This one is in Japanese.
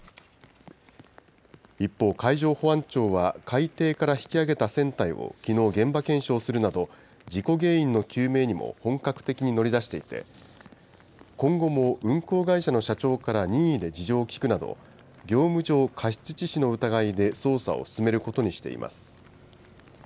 一方、海上保安庁は、海底から引き揚げた船体をきのう、現場検証するなど、事故原因の究明にも本格的に乗り出していて、今後も運航会社の社長から任意で事情を聴くなど、業務上過失致死の疑いで捜査を進めることにしています。